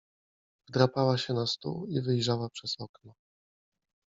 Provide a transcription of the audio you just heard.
Wdrapała się na stół i wyjrzała przez okno.